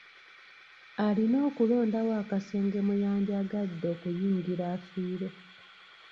Alina okulondawo akasenge mwe yandyagadde okuyingira afiire.